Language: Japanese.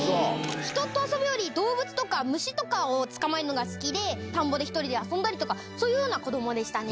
人と遊ぶより、動物とか、虫とかを捕まえるのが好きで、田んぼで１人で遊んだりとか、そういうような子どもでしたね。